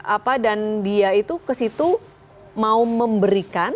apa dan dia itu ke situ mau memberikan